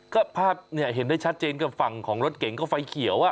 ก็ภาพเนี่ยเห็นได้ชัดเจนกับฝั่งของรถเก่งก็ไฟเขียว